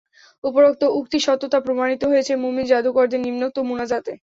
উপরোক্ত উক্তির সত্যতা প্রমাণিত হয়েছে মুমিন জাদুকরদের নিম্নোক্ত মুনাজাতে।